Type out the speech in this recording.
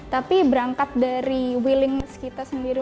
tapi berangkat dari willingness kita sendiri